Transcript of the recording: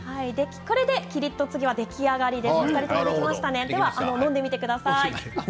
キリっとつぎは出来上がりです。